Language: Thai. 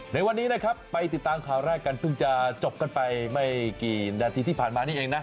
ในวันนี้นะครับไปติดตามข่าวแรกกันเพิ่งจะจบกันไปไม่กี่นาทีที่ผ่านมานี่เองนะ